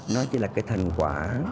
nó chỉ là cái thành quả